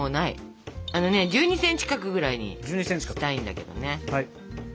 １２ｃｍ角ぐらいにしたいんだけどね。